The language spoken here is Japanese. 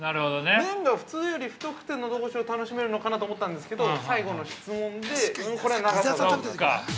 麺が普通より太くてのどごしを楽しめるのかなと思ったんですけど最後の質問でこれは長さだろうなと。